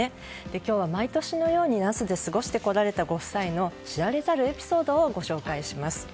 今日は毎年のように那須で過ごしてこられたご夫妻の知られざるエピソードをご紹介します。